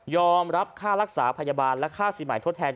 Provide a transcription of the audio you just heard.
รับค่ารักษาพยาบาลและค่าสินใหม่ทดแทน